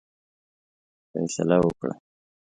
فیصله وکړه.